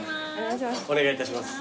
お願いいたします。